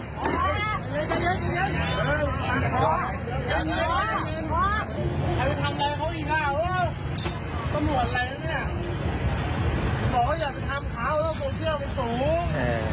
ก็หมวดอะไรนะเนี่ยบอกว่าอยากไปทำขาวโลกโซเชียลมันสูง